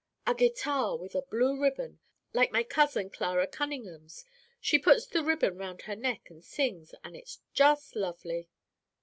"A guitar with a blue ribbon, like my cousin Clara Cunningham's. She puts the ribbon round her neck and sings, and it's just lovely."